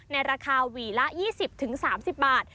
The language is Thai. ในราคาหวีละ๒๐๓๐บาท